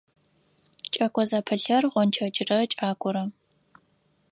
Кӏэко зэпылъыр – гъончэджрэ кӏакорэ.